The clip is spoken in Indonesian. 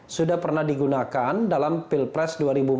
sudah pernah digunakan dalam pilpres dua ribu empat belas